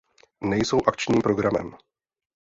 Nejsou akčním programem.